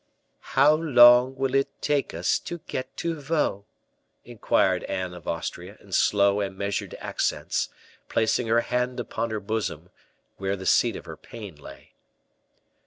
"How long will it take us to get to Vaux?" inquired Anne of Austria, in slow and measured accents, placing her hand upon her bosom, where the seat of her pain lay.